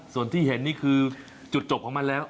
ส่วนที่เห็นนี่คือจุดจบของมันแล้ว